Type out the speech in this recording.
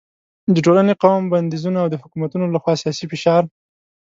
د ټولنې، قوم بندیزونه او د حکومتونو له خوا سیاسي فشار